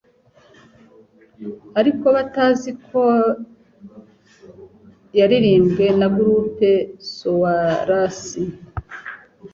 ariko batazi ko yaririmbwe na Group Sowers.